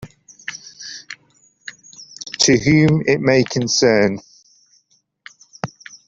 To whom it may concern.